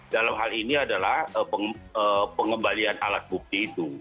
dalam hal ini adalah pengembalian alat bukti itu